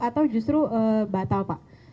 atau justru batal pak